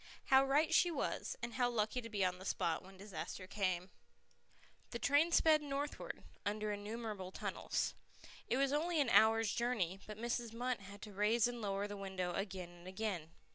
How right she was, and how lucky to be on the spot when the disaster came! The train sped northward, under innumerable tunnels. It was only an hour's journey, but Mrs. Munt had to raise and lower the window again and again.